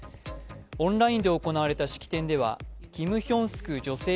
オンラインで行われた式典ではキム・ヒョンスク女性